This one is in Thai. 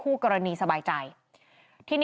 คุณกุญญาพัฒน์